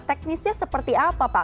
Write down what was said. teknisnya seperti apa pak